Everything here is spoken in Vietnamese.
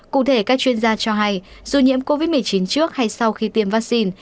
cụ thể các chuyên gia cho hay dù nhiễm covid một mươi chín trước hay sau khi tiêm vaccine